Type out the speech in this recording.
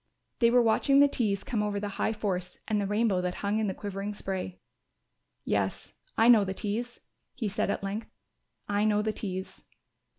They were watching the Tees come over the High Force and the rainbow that hung in the quivering spray. "Yes, I know the Tees," he said at length. "I know the Tees.